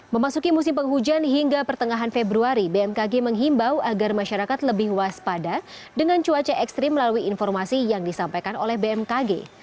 memasuki musim penghujan hingga pertengahan februari bmkg menghimbau agar masyarakat lebih waspada dengan cuaca ekstrim melalui informasi yang disampaikan oleh bmkg